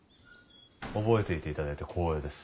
覚えていていただいて光栄です。